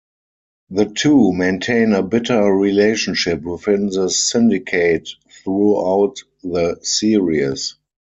The two maintain a bitter relationship within the Syndicate throughout the series.